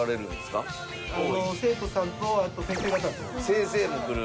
先生も来る？